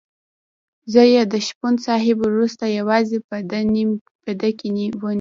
زه یې د شپون صاحب وروسته یوازې په ده کې وینم.